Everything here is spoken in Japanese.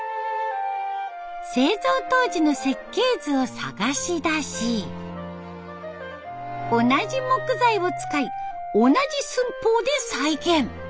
製造当時の設計図を探しだし同じ木材を使い同じ寸法で再現。